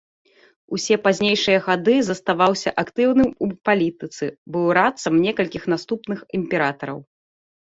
Усе пазнейшыя гады заставаўся актыўным у палітыцы, быў радцам некалькіх наступных імператараў.